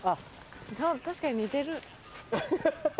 確かに似てる。